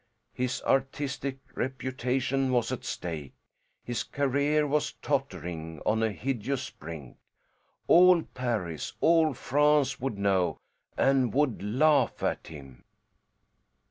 His artistic reputation was at stake. His career was tottering on a hideous brink. All Paris, all France would know, and would laugh at him.